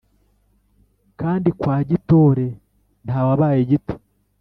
Kandi kwa Gitore ntawabaye gito